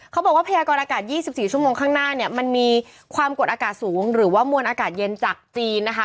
เขาบอกว่าพยากรอากาศ๒๔ชั่วโมงข้างหน้าเนี่ยมันมีความกดอากาศสูงหรือว่ามวลอากาศเย็นจากจีนนะคะ